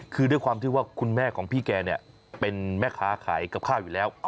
คือด้วยความที่ว่าคุณแม่ของพี่แกเนี่ยเป็นแม่ค้าขายกับข้าวอยู่แล้ว